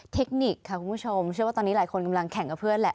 เทคนิคค่ะคุณผู้ชมเชื่อว่าตอนนี้หลายคนกำลังแข่งกับเพื่อนแหละ